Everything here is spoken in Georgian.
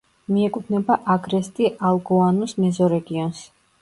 მიეკუთვნება აგრესტი-ალგოანუს მეზორეგიონს.